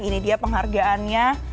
ini dia penghargaannya